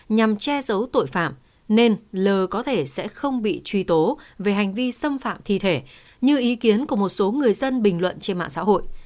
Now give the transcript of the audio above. nhằm che giấu tội phạm nên l có thể sẽ không bị truy tố về hành vi xâm phạm thi thể như ý kiến của một số người dân bình luận trên mạng xã hội